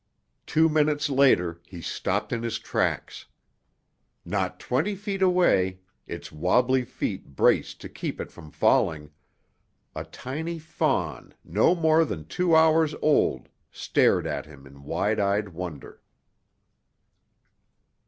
Two minutes later he stopped in his tracks. Not twenty feet away, its wobbly feet braced to keep it from falling, a tiny fawn no more than two hours old stared at him in wide eyed wonder.